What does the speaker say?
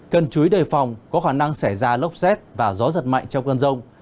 cần chúi đầy phòng có khả năng xảy ra lốc xét và gió giật mạnh trong cơn rông